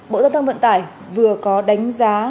bộ giao thông vận tải vừa có đánh giá